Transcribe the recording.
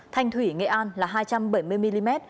thanh thủy nghệ an là hai trăm bảy mươi mm